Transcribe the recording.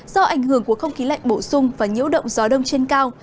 do ảnh hưởng của không khí lạnh bổ sung và nhiễu động gió đông trên cao